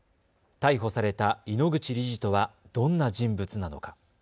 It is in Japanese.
逮捕された井ノ口理事とはどんな人物なのか。